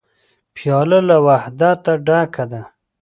پیاله له وحدته ډکه ده.